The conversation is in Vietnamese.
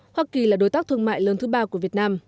hoa kỳ là đối tác thương mại lớn thứ ba của việt nam